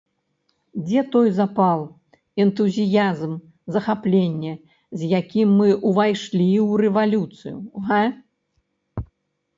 Дзе той запал, энтузіязм, захапленне, з якім мы ўвайшлі ў рэвалюцыю, га?